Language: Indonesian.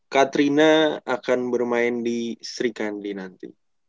katrina akan bermain di sri kandi nanti